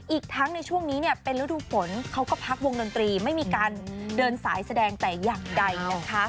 อีกทั้งในช่วงนี้เนี่ยเป็นฤดูฝนเขาก็พักวงดนตรีไม่มีการเดินสายแสดงแต่อย่างใดนะคะ